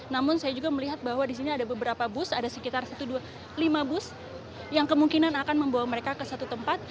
namun saya juga melihat bahwa di sini ada beberapa bus ada sekitar lima bus yang kemungkinan akan membawa mereka ke satu tempat